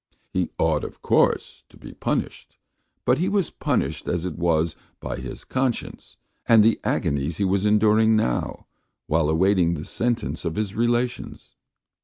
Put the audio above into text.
He ought, of course, to be punished, but he was punished as it was by his conscience and the agonies he was enduring now while awaiting the sentence of his relations.